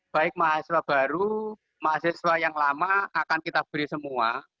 baik mahasiswa baru mahasiswa yang lama akan kita beri semua